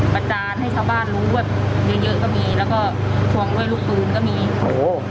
จานให้ชาวบ้านรู้ว่าเยอะเยอะก็มีแล้วก็ทวงด้วยลูกตูนก็มีโอ้โห